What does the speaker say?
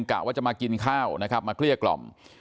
กล่าวว่าจะมากินข้าวนะครับมาเครียดกล่อม